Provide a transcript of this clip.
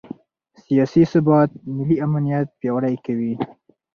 سیاسي ثبات ملي امنیت پیاوړی کوي